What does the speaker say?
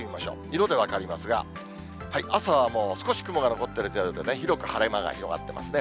色で分かりますが、朝は少し雲が残ってる程度ね、広く晴れ間が広がってますね。